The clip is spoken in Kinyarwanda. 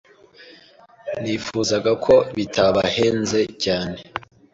Nifuzaga ko bitabahenze cyane. (